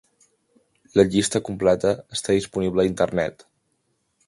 La llista completa està disponible a internet.